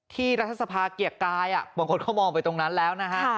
รัฐสภาเกียรติกายบางคนเขามองไปตรงนั้นแล้วนะฮะ